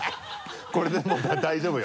これでもう大丈夫よ。